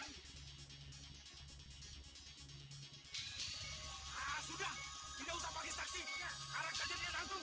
sudah tidak usah pakai saksi karena kejadian hantu